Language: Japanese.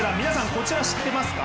こちら知っていますか？